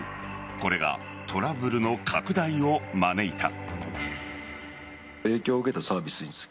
これがトラブルの拡大を招いた。